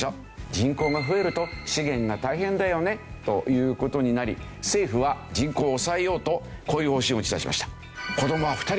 人口が増えると資源が大変だよねという事になり政府は人口を抑えようとこういう方針を打ち出しました。